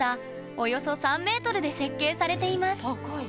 およそ３ｍで設計されています